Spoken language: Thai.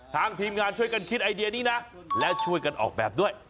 ทีมงานช่วยกันคิดไอเดียนี้นะและช่วยกันออกแบบด้วย